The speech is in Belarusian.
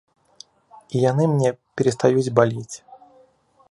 І яны мне перастаюць балець.